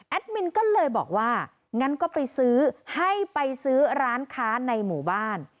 มินก็เลยบอกว่างั้นก็ไปซื้อให้ไปซื้อร้านค้าในหมู่บ้าน